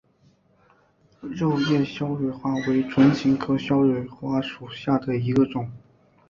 肉叶鞘蕊花为唇形科鞘蕊花属下的一个种。